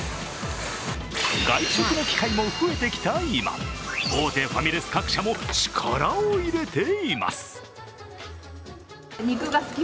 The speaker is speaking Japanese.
外食の機会も増えてきた今、大手ファミレス各社も力を入れています。